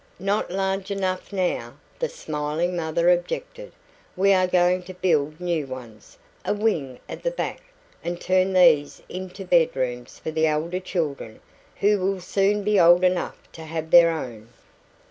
"Not large enough now," the smiling mother objected. "We are going to build new ones a wing at the back and turn these into bedrooms for the elder children, who will soon be old enough to have their own."